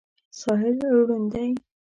ساحل ړوند دی.